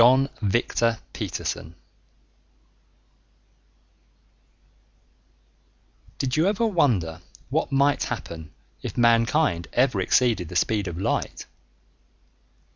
net _Did you ever wonder what might happen if mankind ever exceeded the speed of light?